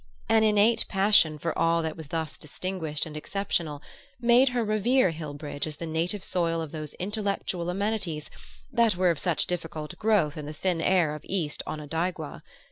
An innate passion for all that was thus distinguished and exceptional made her revere Hillbridge as the native soil of those intellectual amenities that were of such difficult growth in the thin air of East Onondaigua.